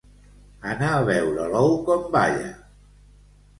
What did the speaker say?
Anar a veure l'ou com balla.